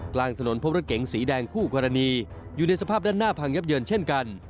กลางถนนพบรถเก๋งสีแดงคู่กรณีอยู่ในสภาพด้านหน้าพังยับเยินเช่นกัน